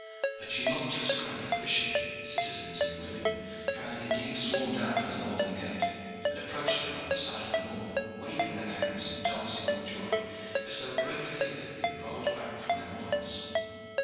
A tumultuous crowd of fishermen, citizens, and women had indeed swarmed out from the northern gate, and approached them up the side of the moor, waving their hands and dancing with joy, as though a great fear had been rolled back from their minds.